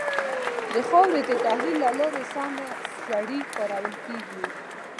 د خاورې د تحلیل له لارې سمه سري کارول کېږي.